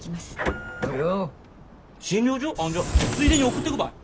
あじゃあついでに送ってくばい。